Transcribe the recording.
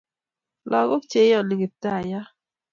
lagok cheiyani kiptaiyat